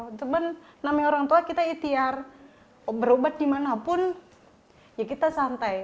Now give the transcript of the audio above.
teman teman namanya orang tua kita itiar berobat dimanapun ya kita santai